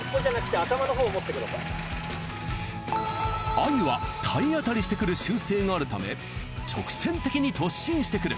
アユは体当たりしてくる習性があるため直線的に突進してくる。